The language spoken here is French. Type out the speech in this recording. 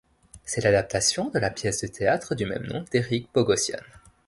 C'est l'adaptation de la pièce de théâtre du même nom d'Eric Bogosian.